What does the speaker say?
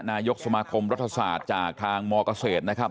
นายกสมาคมรัฐศาสตร์จากทางมเกษตรนะครับ